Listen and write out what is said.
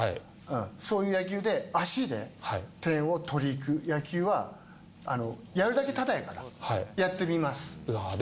そういう野球で足で点を取りに行く野球はやるだけ、ただだからやってみます。